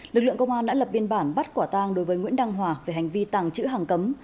lực lượng công an đã lập biên bản bắt quả tang đối với nguyễn đăng hòa về hành vi tàng trữ hàng cấm